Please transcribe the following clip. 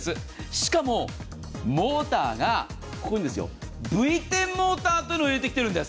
しかも、モーターがＶ１０モーターというのを入れてきてるんです。